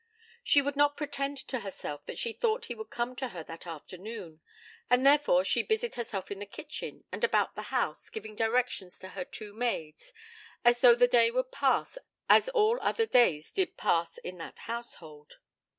She would not pretend to herself that she thought he would come to her that afternoon, and therefore she busied herself in the kitchen and about the house, giving directions to her two maids as though the day would pass as all other days did pass in that household.